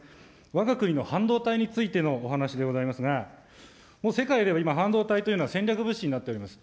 わが国の半導体についてのお話でございますが、もう世界では今、半導体というのは戦略物資になっております。